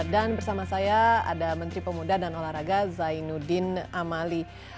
dan bersama saya ada menteri pemuda dan olahraga zainuddin amali